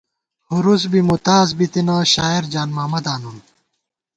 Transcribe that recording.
ہُرُوس بی مُتاز بِتنہ شاعر جان محمداں نُن